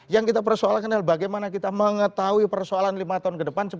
yang kita persoalkan adalah bagaimana kita mengetahui persoalan lima tahun ke depan